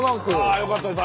あよかったです。